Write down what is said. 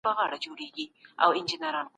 آيا د ليکوال او ټولني تر منځ اړيکه سته؟